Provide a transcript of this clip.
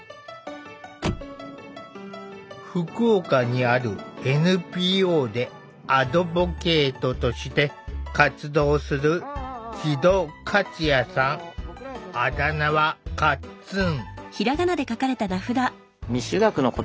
福岡にあるＮＰＯでアドボケイトとして活動するあだ名はかっつん。